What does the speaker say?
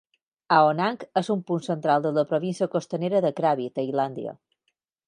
Ao Nang és un punt central de la província costanera de Krabi, Tailàndia.